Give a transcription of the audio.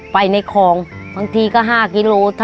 ไปในคลองบางทีก็ห้ากิโลกรัม